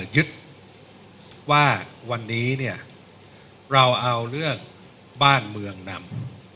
ยึดว่าวันนี้เนี่ยเราเอาเรื่องบ้านเมืองนำ